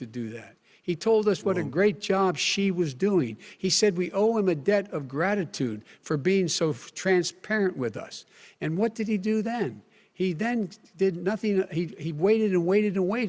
dia bilang dia tidak memberitahu kami atau memberikan peringatan kepada orang orang karena dia tidak ingin mengecewakan orang amerika